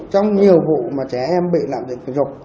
trong nhiều vụ mà trẻ em bị làm dịch dục